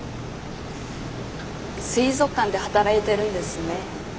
水族館で働いてるんですね。